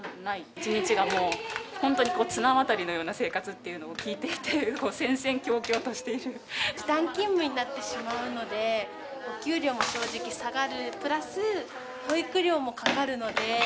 一日がもう本当に綱渡りのような生活っていうのを聞いていて、時短勤務になってしまうので、お給料も正直、下がるプラス保育料もかかるので。